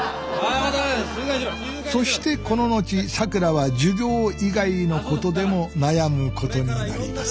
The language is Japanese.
そしてこの後さくらは授業以外のことでも悩むことになります